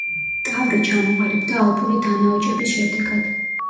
ტავრი ჩამოყალიბდა ალპური დანაოჭების შედეგად.